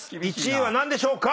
１位は何でしょうか？